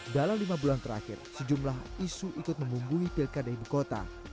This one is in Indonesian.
dalam lima bulan terakhir sejumlah isu ikut memunggungi pilkara dki jakarta